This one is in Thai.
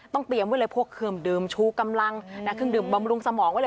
เตรียมไว้เลยพวกเครื่องดื่มชูกำลังเครื่องดื่มบำรุงสมองไว้เลย